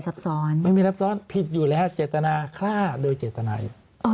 ซับซ้อนไม่มีซับซ้อนผิดอยู่แล้วเจตนาฆ่าโดยเจตนาอยู่